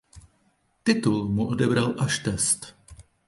Titul mu odebral až Test.